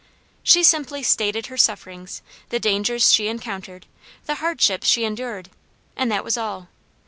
She simply stated her sufferings, the dangers she encountered, the hardships she endured, and that was all.